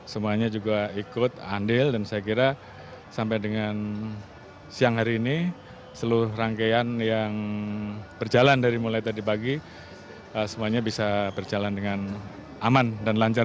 semuanya juga ikut andil dan saya kira sampai dengan siang hari ini seluruh rangkaian yang berjalan dari mulai tadi pagi semuanya bisa berjalan dengan aman dan lancar